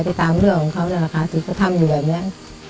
ไปตามเรื่องของเค้าศิษย์ธรรมอยู่แบบนี้